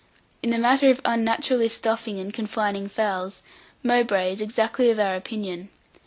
In the matter of unnaturally stuffing and confining fowls, Mowbray is exactly of our opinion.